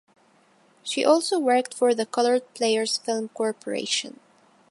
She also worked for the Colored Players Film Corporation.